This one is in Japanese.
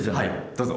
どうぞ。